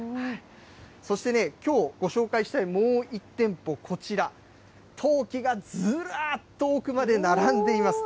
そしてね、きょうご紹介したいもう一店舗、こちら、陶器がずらーっと奥まで並んでいます。